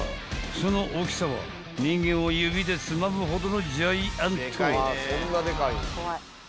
［その大きさは人間を指でつまむほどのジャイアント］